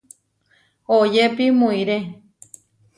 Oyépi muʼiré.